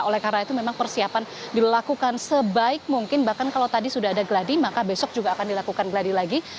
oleh karena itu memang persiapan dilakukan sebaik mungkin bahkan kalau tadi sudah ada gladi maka besok juga akan dilakukan gladi lagi